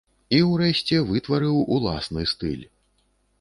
І, урэшце, вытварыў уласны стыль.